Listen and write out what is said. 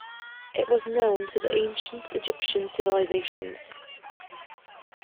It was known to the Ancient Egyptian civilizations.